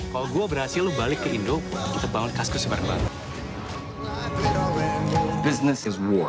kalau saya berhasil kembali ke indonesia kita akan membangun kasku sebarang